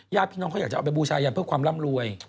ญาติพี่น้องเขาอยากจะเอาไปบูชายันเพื่อความร่ำรวย